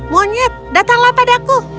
monyet datanglah padaku